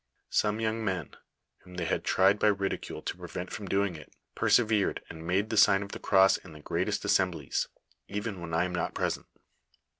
Some young men, whom they had tried by ridi cule to prevent from doing it, peiseverod, and make the sign of the cross in the greatest assem'jlies, even when I am not present.